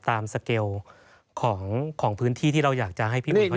ตามสเกลของพื้นที่ที่เราอยากจะให้พี่อุ๋ยเขาได้ลง